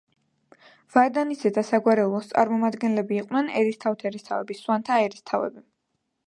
ვარდანისძეთა საგვარეულოს წარმომადგენლები იყვნენ ერისთავთერისთავები, სვანთა ერისთავები.